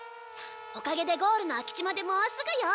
おかげでゴールの空き地までもうすぐよ。